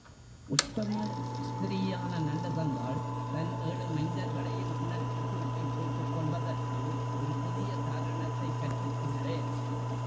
உத்தம ஸ்திரீயான நல்லதங்காள் தன் ஏழு மைந்தர்களையும் கிணற்றில் தூக்கிப் போட்டுக் கொல்வதற்கு ஒரு புதிய காரணத்தைக் கற்பித்துள்ளேன்.